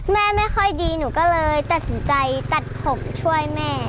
ไม่ค่อยดีหนูก็เลยตัดสินใจตัดผมช่วยแม่